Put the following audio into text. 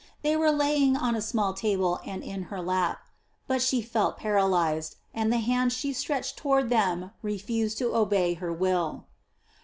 They were lying on a small table and in her lap; but she felt paralyzed, and the hand she stretched toward them refused to obey her will.